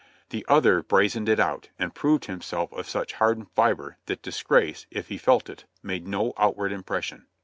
The other brazened it out, and proved himself of such hardened fibre that disgrace, if he felt it, made no outward impression.